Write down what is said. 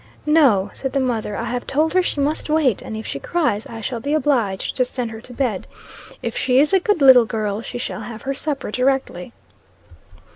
'No,' said the mother; 'I have told her she must wait; and if she cries, I shall be obliged to send her to bed. If she is a good little girl, she shall have her supper directly.'